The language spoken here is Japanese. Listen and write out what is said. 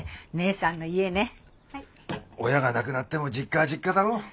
親が亡くなっても実家は実家だろ。